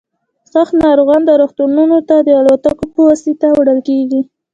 سخت ناروغان روغتونونو ته د الوتکې په واسطه وړل کیږي